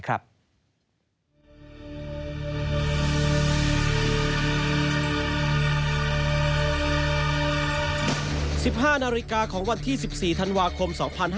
๑๕นาฬิกาของวันที่๑๔ธันวาคม๒๕๕๙